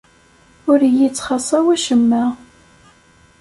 Ur iy-ittxaṣṣa wacemma.